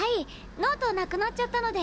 ノートなくなっちゃったので。